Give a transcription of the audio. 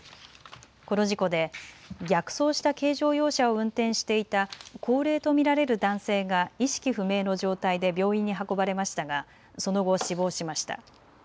この事故で逆走した軽乗用車を運転していた高齢と見られる男性が意識不明の状態で病院に運ばれましたがその後、死亡しました。